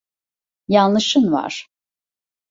Yanlışın var.